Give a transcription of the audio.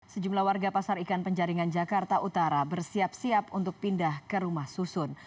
sejumlah warga pasar ikan penjaringan jakarta utara bersiap siap untuk pindah ke rumah susun